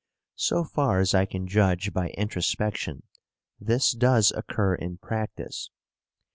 So far as I can judge by introspection, this does occur in practice.